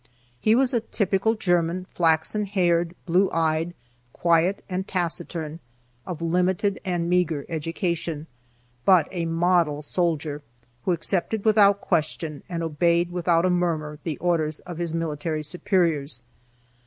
He was a typical German, flaxen haired, blue eyed, quiet and taciturn, of limited and meager education, but a model soldier, who accepted without question and obeyed without a murmur the orders of his military superiors.